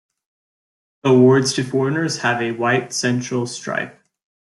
Awards to foreigners have a white central stripe.